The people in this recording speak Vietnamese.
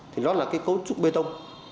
thì nó là cấu trúc bê tông